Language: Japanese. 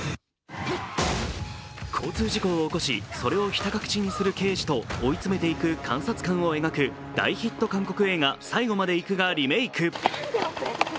交通事故を起こしそれをひた隠しにする刑事と追い詰めていく監察官を描く大ヒット韓国映画「最後まで行く」がリメーク。